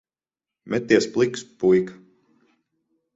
Meties pliks, puika.